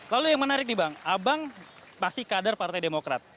lalu yang menarik nih bang abang pasti kader partai demokrat